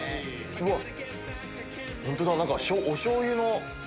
うわっ！